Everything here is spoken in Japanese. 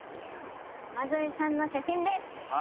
山添さんの写真です！